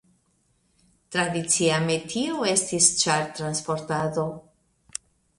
Tradicia metio estis ĉartransportado.